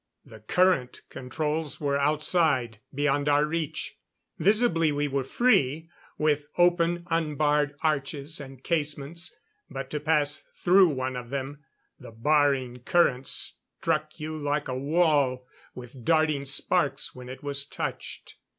The current controls were outside, beyond our reach. Visibly, we were free, with open, unbarred arches and casements. But to pass through one of them, the barring current struck you like a wall, with darting sparks when it was touched.